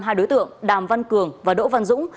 hai đối tượng đàm văn cường và đỗ văn dũng